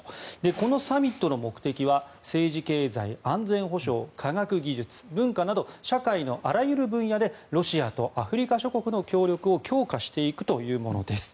このサミットの目的は政治経済、安全保障科学技術、文化など社会のあらゆる分野でロシアとアフリカ諸国の協力を強化していくというものです。